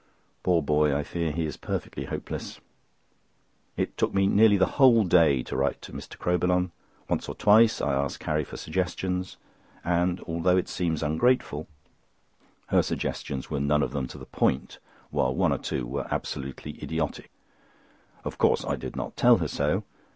Poor boy, I fear he is perfectly hopeless. It took me nearly the whole day to write to Mr. Crowbillon. Once or twice I asked Carrie for suggestions; and although it seems ungrateful, her suggestions were none of them to the point, while one or two were absolutely idiotic. Of course I did not tell her so.